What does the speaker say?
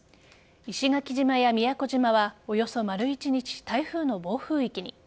石垣島や宮古島はおよそ丸一日、台風の暴風域に。